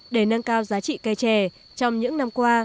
để nâng cao giá trị cây trè trong những năm qua